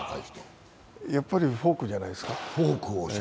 やっぱりフォークじゃないですか。